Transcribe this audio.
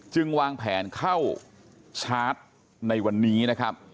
วางแผนเข้าชาร์จในวันนี้นะครับ